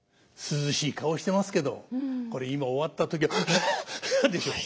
涼しい顔してますけどこれ今終わった時は「はあはあ」でしょ。